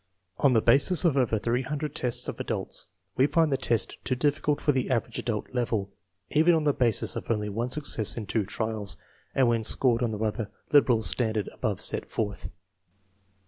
On the basis of over 300 tests of adults we find the test too difficult for the " average adult " level, even on the basis of only one success in two trials and when scored on the rather liberal standard above set forth.